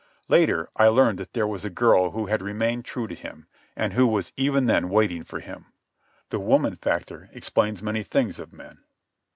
Later, I learned that there was a girl who had remained true to him, and who was even then waiting for him. The woman factor explains many things of men.